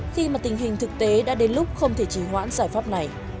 khi mà tình hình thực tế đã đến lúc không thể chỉ hoãn giải pháp này